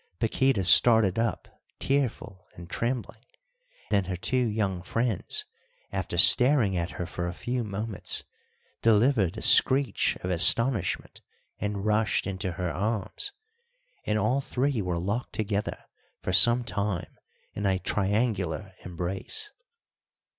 Paquíta started up tearful and trembling; then her two young friends, after staring at her for a few moments, delivered a screech of astonishment and rushed into her arms, and all three were locked together for some time in a triangular embrace.